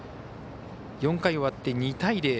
４回終わって２対０。